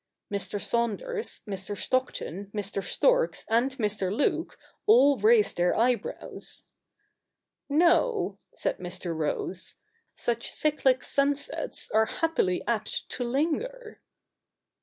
Mr. Saunders, ]Mr. Stockton, Mr. Storks, and Mr. Luke all raised their eyebrows. 'No,' said Mr. Rose, ' such cyclic sunsets are happily apt to linger.'